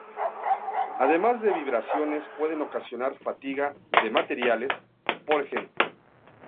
Además las vibraciones pueden ocasionar fatiga de materiales, por ejemplo.